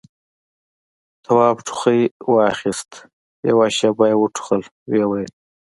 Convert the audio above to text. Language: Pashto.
تواب ټوخي واخيست، يوه شېبه يې وټوخل، ويې ويل: